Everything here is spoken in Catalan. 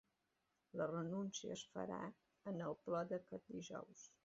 La renúncia es farà en el ple d’aquest dijous.